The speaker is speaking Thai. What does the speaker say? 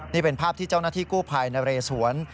นี่เป็นภาพที่เจ้าหน้าที่กู้ภัยนะเรสวน